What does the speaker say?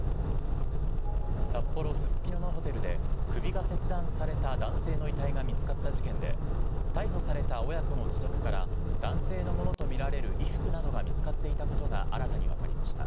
札幌・ススキノのホテルで首が切断された男性の遺体が見つかった事件で、逮捕された親子の自宅から男性のものと見られる衣服などが見つかっていたことが新たに分かりました。